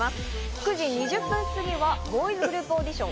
９時２０分過ぎはボーイズグループオーディション